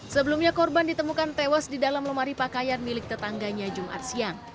sebelumnya korban ditemukan tewas di dalam lemari pakaian milik tetangganya jumat siang